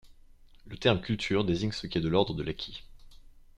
Le terme culture désigne ce qui est de l’ordre de l’acquis.